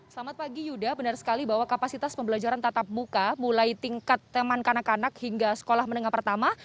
selamat pagi yuda benar sekali bahwa kapasitas pembelajaran tatap muka mulai tingkat teman kanak kanak hingga sekolah menengah pertama